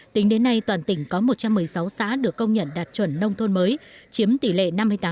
tính đến nay toàn tỉnh có một trăm một mươi sáu xã được công nhận đạt chuẩn nông thôn mới chiếm tỷ lệ năm mươi tám